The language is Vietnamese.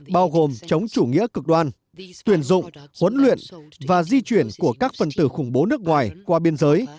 bao gồm chống chủ nghĩa cực đoan tuyển dụng huấn luyện và di chuyển của các phần tử khủng bố nước ngoài qua biên giới